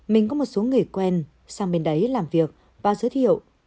mình có một số người quen sang bên đấy làm việc và giới thiệu